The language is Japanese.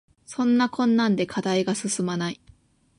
そんなこんなで課題が進まない